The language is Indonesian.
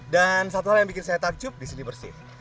dan satu hal yang bikin saya takjub disini bersih